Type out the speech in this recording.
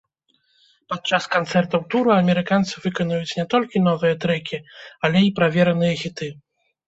Падчас канцэртаў туру амерыканцы выканаюць не толькі новыя трэкі, але і правераныя хіты.